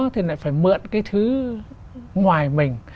thì lại phải mượn cái thứ ngoài mình